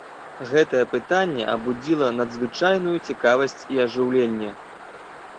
Гэтае пытанне абудзіла надзвычайную цікавасць і ажыўленне.